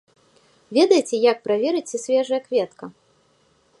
Ведаеце, як праверыць, ці свежая кветка?